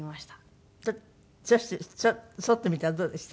そしてそってみたらどうでした？